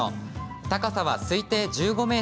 高さは推定１５ｍ。